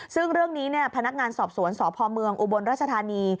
ซึ่งเรื่องนี้พนักงานสอบสวนสพเมืองอุบลราชธานี